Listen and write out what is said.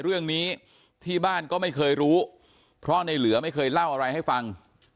เรื่องนี้ที่บ้านก็ไม่เคยรู้เพราะในเหลือไม่เคยเล่าอะไรให้ฟัง